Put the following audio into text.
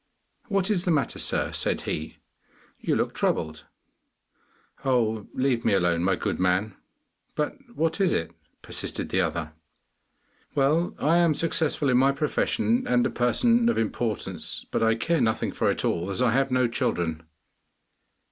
'What is the matter, sir, said he, 'you look troubled?' 'Oh, leave me alone, my good man!' 'But what is it?' persisted the other. 'Well, I am successful in my profession and a person of importance, but I care nothing for it all, as I have no children.